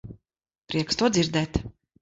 Prieks to dzirdēt.